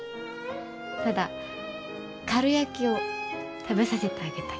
ただかるやきを食べさせてあげたい。